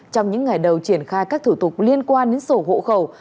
trong những ngày đầu triển khai các thủ tục liên quan đến sổ hộ khẩu